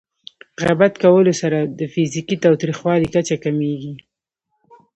غیبت کولو سره د فزیکي تاوتریخوالي کچه کمېږي.